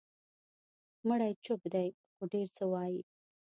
مړی چوپ دی، خو ډېر څه وایي.